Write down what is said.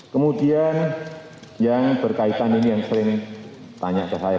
kemudian yang berkaitan ini yang sering tanya ke saya